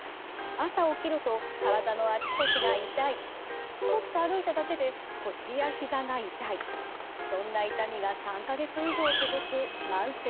朝起きると体のあちこちが痛いちょっと歩いただけで腰やひざが痛いそんな痛みが３か月以上続く慢性痛。